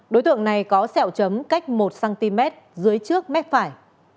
đối tượng này có sẹo chấm cách một cm dưới trước mép phải